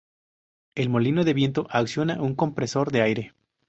El molino de viento acciona un compresor de aire.